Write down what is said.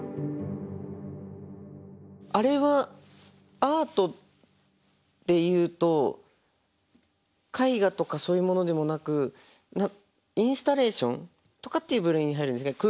あれはアートっていうと絵画とかそういうものでもなくインスタレーションとかっていう部類に入るんですか？